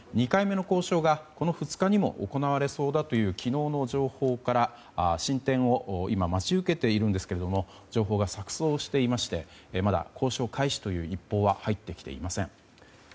２回目の交渉がこの２日にも行われそうだという昨日の情報から進展を今待ち受けているんですが情報が錯綜していましてまだ交渉開始という一報は入ってきていません。